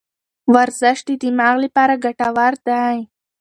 ورزش د دماغ لپاره ګټور دی.